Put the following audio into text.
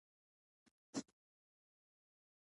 د کابل بالا حصار د بابر په وخت کې بیا جوړ شو